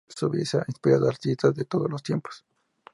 Su belleza ha inspirado a artistas de todos los tiempos.